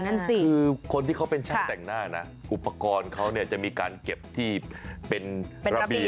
นั่นสิคือคนที่เขาเป็นช่างแต่งหน้านะอุปกรณ์เขาเนี่ยจะมีการเก็บที่เป็นระเบียง